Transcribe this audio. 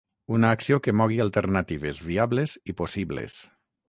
Una acció que mogui alternatives viables i possibles.